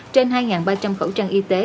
trên hai ba trăm linh khẩu trang y tế